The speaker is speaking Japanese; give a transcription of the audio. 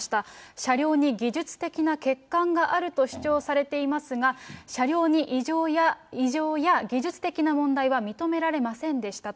車両に技術的な欠陥があると主張されていますが、車両に異常や技術的な問題は認められませんでしたと。